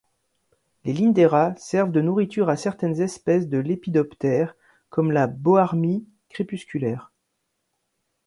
Les Lindera servent de nourriture à certaines espèces de lépidoptères comme la Boarmie crépusculaire.